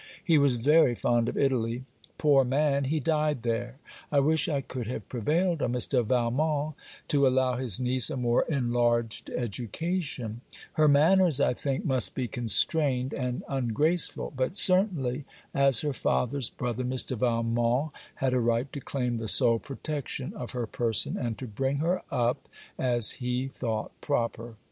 He was very fond of Italy. Poor man, he died there. I wish I could have prevailed on Mr. Valmont to allow his niece a more enlarged education; her manners, I think, must be constrained and ungraceful: but certainly, as her father's brother, Mr. Valmont had a right to claim the sole protection of her person, and to bring her up as he thought proper.'